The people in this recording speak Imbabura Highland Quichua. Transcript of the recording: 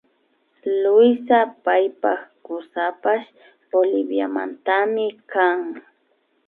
Luisa paypak kusapash Boliviamantami kan